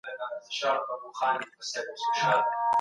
کيدای سي دا کلمه بله مانا ولري.